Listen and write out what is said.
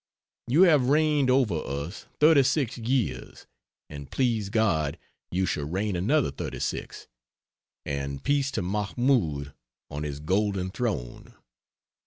You have reigned over us thirty six years, and, please God, you shall reign another thirty six "and peace to Mahmoud on his golden throne!"